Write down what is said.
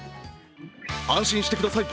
安心してください！